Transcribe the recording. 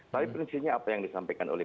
tapi prinsipnya apa yang disampaikan oleh